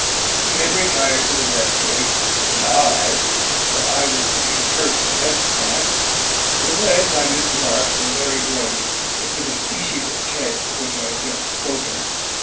He then retired to the vestry, and I (for I was to be the first to testify) was led by Miss Marks and Mary Grace into the species of tent of which I have just spoken.